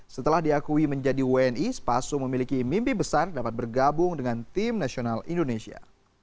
setelah diakui menjadi wni spaso memiliki mimpi besar dapat bergabung dengan tim nasional indonesia